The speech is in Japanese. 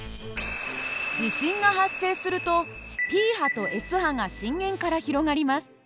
地震が発生するとＰ波とＳ波が震源から広がります。